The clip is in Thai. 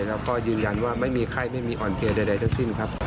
แล้วก็ยืนยันว่าไม่มีไข้ไม่มีอ่อนเพลียใดทั้งสิ้นครับ